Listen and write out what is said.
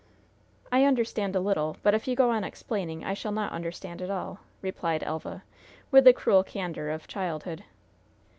"I understand a little, but, if you go on explaining, I shall not understand at all," replied Elva, with the cruel candor of childhood.